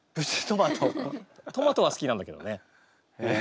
トマトは好きなんだけどね。